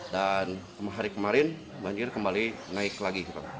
dan hari kemarin banjir kembali naik lagi